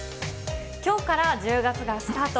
きょうから１０月がスタート。